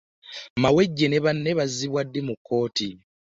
Mawejje ne banne bazzibwa ddi mu kkooti?